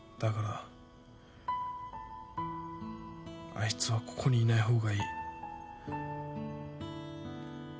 あいつはここにいない方がいい。